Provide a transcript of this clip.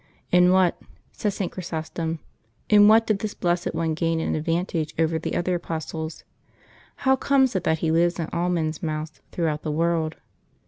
" In what," says St. Chrysostom, '* in what did this blessed one gain an advantage over the other apostles? How comes it that he lives in all men's mouths throughout the world